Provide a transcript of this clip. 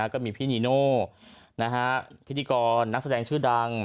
ก็มีพี่นีโน่พิธีกรนักแสดงชื่อดัง